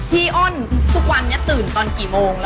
อ้นทุกวันนี้ตื่นตอนกี่โมง